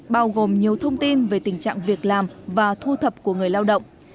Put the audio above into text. bao gồm nhiều thông tin về tình trạng việc làm và thu thập của người lao động